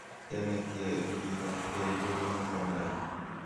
Kianetgei ribsetab gei kobunu kwandanyu